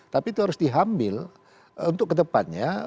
tapi itu harus diambil untuk kedepannya